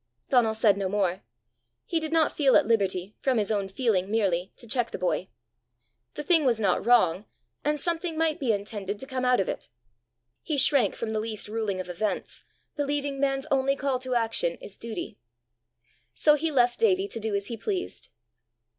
Donal said no more. He did not feel at liberty, from his own feeling merely, to check the boy. The thing was not wrong, and something might be intended to come out of it! He shrank from the least ruling of events, believing man's only call to action is duty. So he left Davie to do as he pleased.